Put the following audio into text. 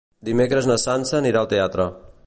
Dimecres na Sança anirà al teatre.